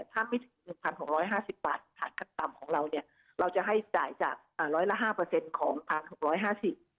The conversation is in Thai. ถ้าไม่ถึง๑๖๕๐บาทฐานค่าจ้างต่ำของเราเราจะให้จ่ายจาก๑๐๐ละ๕ของ๑๖๕๐บาท